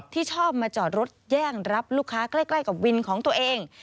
ที่ชอบมาจอดรถแย่งรับลูกค้าใกล้กับวินของตัวเอง